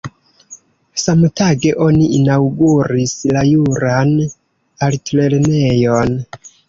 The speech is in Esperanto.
Samtage oni inaŭguris la Juran Altlernejon.